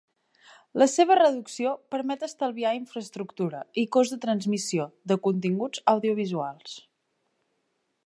La seva reducció permet estalviar infraestructura i cost de transmissió de continguts audiovisuals.